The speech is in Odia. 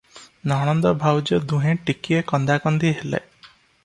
ନଣନ୍ଦ ଭାଉଜ ଦୁହେଁ ଟିକିଏ କନ୍ଦାକନ୍ଦିହେଲେ ।